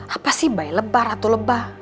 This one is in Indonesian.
apa si bayi lebah ratu lebah